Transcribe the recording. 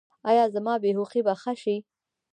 ایا زما بې هوښي به ښه شي؟